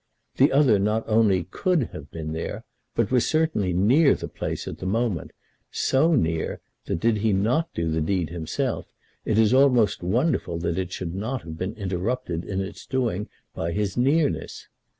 The other not only could have been there, but was certainly near the place at the moment, so near that did he not do the deed himself, it is almost wonderful that it should not have been interrupted in its doing by his nearness.